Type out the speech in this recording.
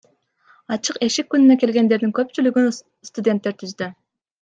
Ачык эшик күнүнө келгендердин көпчүлүгүн студенттер түздү.